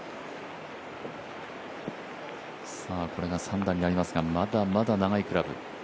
これが３打になりますがまだまだ長いクラブ。